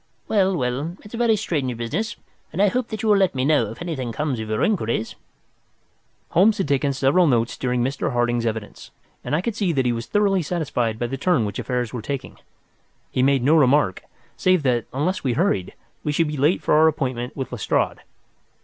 Well, well, it's a very strange business, and I hope that you will let me know if anything comes of your inquiries." Holmes had taken several notes during Mr. Harding's evidence, and I could see that he was thoroughly satisfied by the turn which affairs were taking. He made no remark, however, save that, unless we hurried, we should be late for our appointment with Lestrade.